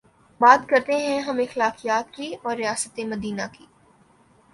بات کرتے ہیں ہم اخلاقیات کی اورریاست مدینہ کی